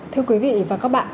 thưa quý vị và các bạn